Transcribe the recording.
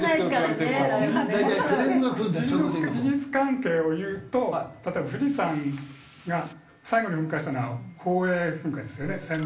事実関係を言うと例えば富士山が最後に噴火したのは宝永噴火ですよね。